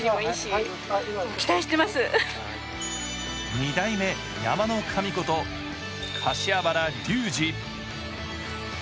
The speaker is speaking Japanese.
２代目・山の神こと柏原竜二。